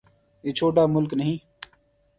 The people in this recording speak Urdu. یہ چھوٹا ملک نہیں۔